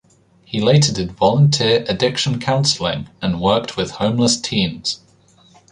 He later did volunteer addiction counseling and worked with homeless teens.